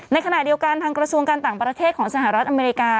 ในขณะเดียวกันทางกระทรวงการต่างประเทศของสหรัฐอเมริกา